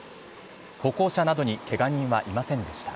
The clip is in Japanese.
歩行者などにけが人はいませんでした。